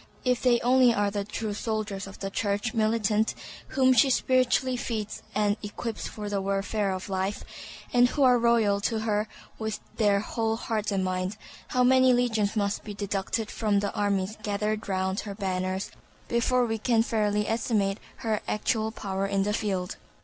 If they only are the true soldiers of the Church militant whom she spiritually feeds and equips for the warfare of life, and who are loyal to her with their whole heart and mind, how many legions must be deducted from the armies gathered round her banners before we can fairly estimate her actual power in the field!